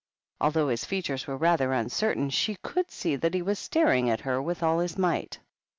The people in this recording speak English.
Although his features were rather un certain, she could see that he was staring at her 9 with all his might.